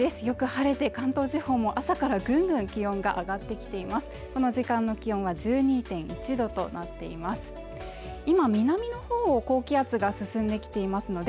よく晴れて関東地方も朝からぐんぐん気温が上がってきて今この時間の気温は１２．１度となっています